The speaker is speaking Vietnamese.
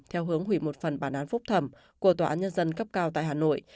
theo hướng hủy một phần bản án phúc thẩm của tòa án nhân dân cấp cao tại hà nội